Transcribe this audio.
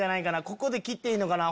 ここで切っていいのかな。